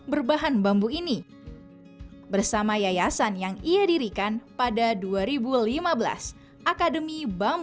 untuk bibit ia tak segan mengejar sampai ke jepang